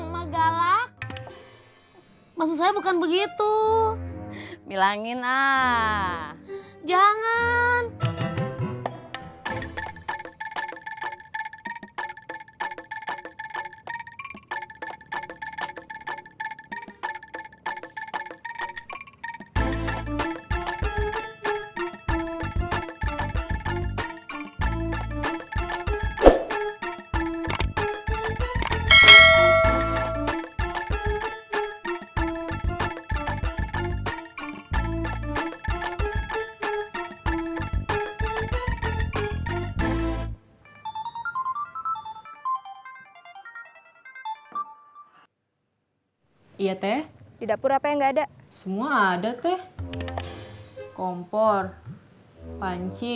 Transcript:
maksud saya bumbu dapur atau apa